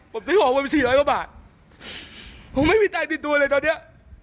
ผมซื้อของผมสี่ร้อยกว่าบาทผมไม่มีตังค์ติดตัวเลยตอนเนี้ย